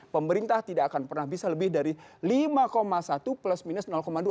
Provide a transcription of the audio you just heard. pemerintah tidak akan pernah bisa lebih dari lima satu plus minus dua